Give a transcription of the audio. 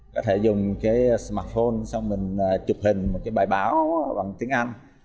có thể dùng cái smartphone xong mình chụp hình một cái bài báo bằng tiếng anh